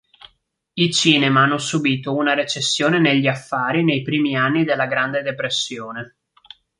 I cinema hanno subito una recessione negli affari nei primi anni della Grande Depressione.